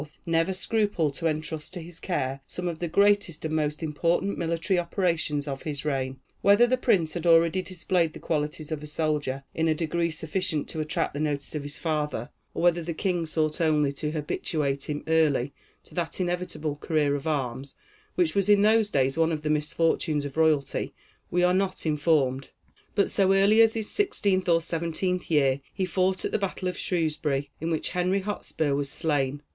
never scrupled to entrust to his care some of the greatest and most important military operations of his reign. Whether the prince had already displayed the qualities of a soldier, in a degree sufficient to attract the notice of his father, or whether the king sought only to habituate him early to that inevitable career of arms which was in those days one of the misfortunes of royalty, we are not informed; but so early as his sixteenth or seventeenth year he fought at the battle of Shrewsbury, in which Henry Hotspur was slain.